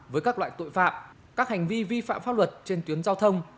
với các loại tội phạm các hành vi vi phạm pháp luật trên tuyến giao thông